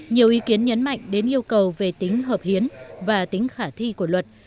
nhiều ý kiến nhấn mạnh đến yêu cầu về tính hợp hiến và tính khả thi của luật